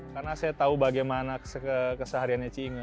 karena saya tahu bagaimana kesehariannya si inge